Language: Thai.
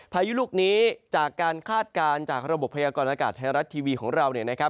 พายุลูกนี้จากการคาดการณ์จากระบบพยากรอากาศทางรัฐทีวีของเรา